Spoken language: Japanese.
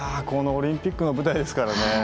このオリンピックの舞台ですからね。